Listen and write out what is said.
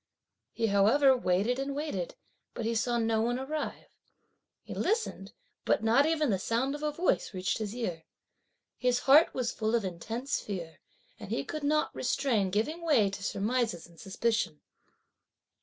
He however waited and waited, but he saw no one arrive; he listened but not even the sound of a voice reached his ear. His heart was full of intense fear, and he could not restrain giving way to surmises and suspicion.